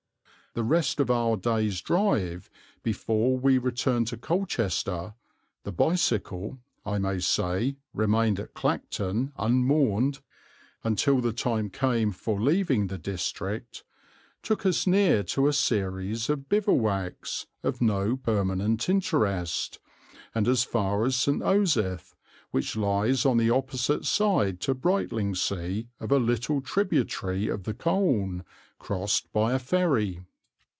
The rest of our day's drive, before we returned to Colchester the bicycle, I may say, remained at Clacton unmourned until the time came for leaving the district took us near to a series of bivouacs, of no permanent interest, and as far as St. Osyth, which lies on the opposite side to Brightlingsea of a little tributary of the Colne, crossed by a ferry.